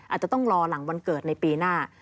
อาจจะต้องรอหลังวันเกิดในปีหน้า